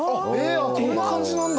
こんな感じなんだ。